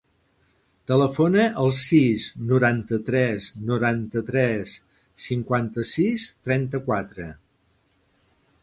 Telefona al sis, noranta-tres, noranta-tres, cinquanta-sis, trenta-quatre.